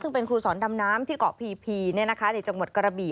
ซึ่งเป็นครูสอนดำน้ำที่เกาะพีในจังหวัดกระบี่